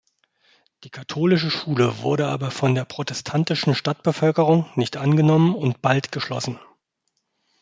Die katholische Schule wurde aber von der protestantischen Stadtbevölkerung nicht angenommen und bald geschlossen.